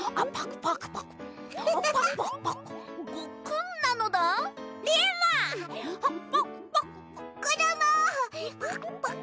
パクパク。